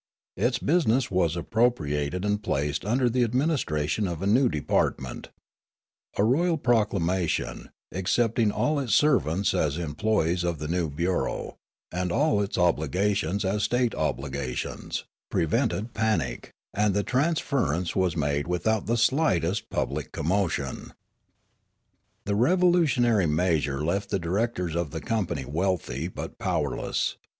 Its business was appropriated and placed under the administration of a new department. A The Organisation of Repute 75 royal proclamation, accepting all its servants as em ploN'ees of the new bureau, and all its obligations as state obligations, prevented panic; and the transference was made without the slightest public commotion. The revolutionary measure left the directors of the company wealthy but powerless.